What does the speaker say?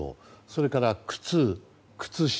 それから靴、靴下。